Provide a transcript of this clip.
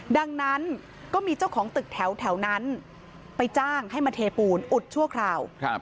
ดังนั้นก็มีเจ้าของตึกแถวนั้นไปจ้างให้มาเทปูนอุดชั่วคราว